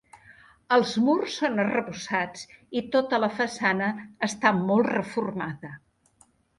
Els murs són arrebossats i tota la façana està molt reformada.